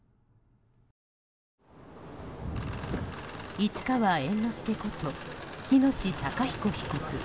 市川猿之助こと喜熨斗孝彦被告。